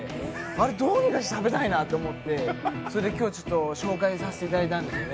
どうにかして食べたいなと思って、それで今日、紹介させていただいたんですよね。